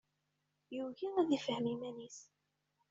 Yugi ad ifhem iman-is.